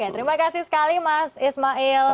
terima kasih sekali mas ismail